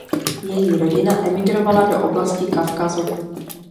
Její rodina emigrovala do oblasti Kavkazu.